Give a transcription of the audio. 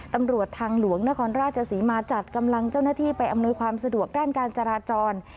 ตำรวจทางหลวงนครราชศรีมาจัดกำลังเจ้าหน้าที่ไปอำนวยความสะดวกด้านการจราจร